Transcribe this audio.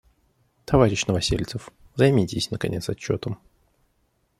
Товарищ Новосельцев, займитесь, наконец, отчетом.